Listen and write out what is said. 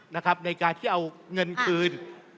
ในการที่เอาเงินคืน